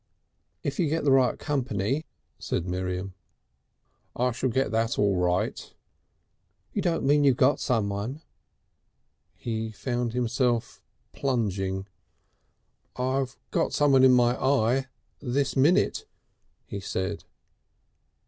"If you get the right company," said Miriam. "I shall get that all right." "You don't mean you've got someone " He found himself plunging. "I've got someone in my eye, this minute," he said.